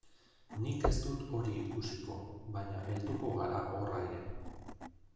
Nik ez dut hori ikusiko, baina helduko gara horra ere.